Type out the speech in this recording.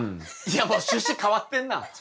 いやもう趣旨変わってんな。